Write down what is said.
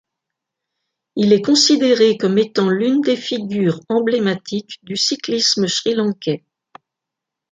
Il est considéré comme étant l'une des figures emblématiques du cyclisme srilankais.